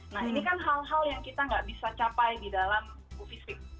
nah ini kan hal hal yang kita nggak bisa capai di dalam bu fisik